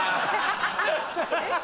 ハハハハ。